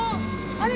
あれ？